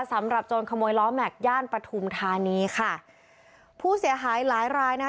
โจรขโมยล้อแม็กซย่านปฐุมธานีค่ะผู้เสียหายหลายรายนะคะ